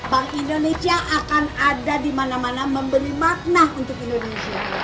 bank indonesia akan ada di mana mana memberi makna untuk indonesia